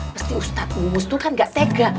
pasti ustadz mumus tuh kan gak tega